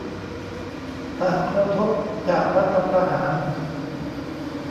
ต่างกระทบจากรัฐประหาร